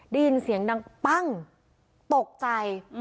ได้ยินเสียงดังปั้งตกใจ